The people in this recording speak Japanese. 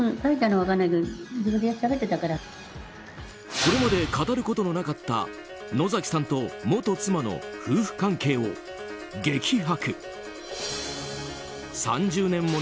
これまで語ることのなかった野崎さんと元妻の夫婦関係を激白。